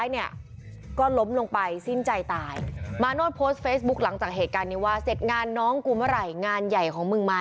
เห็นมั้ยเสื้อแดงเลยเห็นป้า